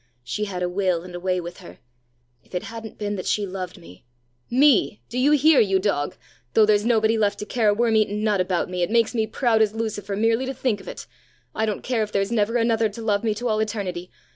She had a will and a way with her! If it hadn't been that she loved me me, do you hear, you dog! though there's nobody left to care a worm eaten nut about me, it makes me proud as Lucifer merely to think of it! I don't care if there's never another to love me to all eternity!